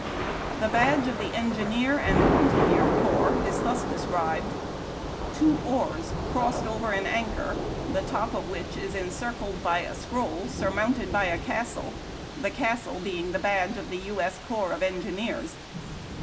The badge of the Engineer and Pontonier Corps is thus described :" Two oars crossed over an anchor, the top of which is encircled by a scroll surmounted by a castle ; the castle being the badge of the U. S. corps of engineers."